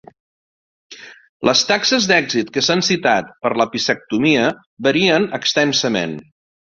Les taxes d'èxit que s'han citat per l'apicectomia varien extensament.